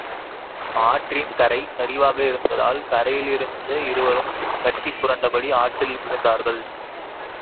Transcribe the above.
ஆற்றின் கரை சரிவாக இருந்ததால் கரையிலிருந்து இருவரும் கட்டிப் புரண்டபடி, ஆற்றில் விழுந்தார்கள்.